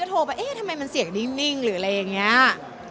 ด้วยข้อสวยช่องคนพูดบ่วงไว้